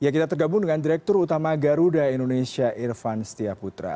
kita tergabung dengan direktur utama garuda indonesia irfan setia putra